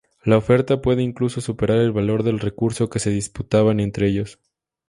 La oferta puede incluso superar el valor del recurso que se disputaban entre ellos.